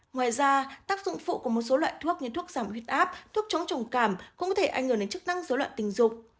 ngoài ra tác dụng phụ của một số loại thuốc như thuốc giảm huyết áp thuốc chống trồng cảm cũng có thể ảnh hưởng đến chức năng dối loạn tình dục